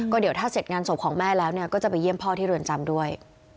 เดี๋ยวถ้าเสร็จงานศพของแม่แล้วก็จะไปเยี่ยมพ่อที่เรือนจำด้วย